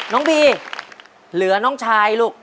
น้องบีเหลือน้องชายลูก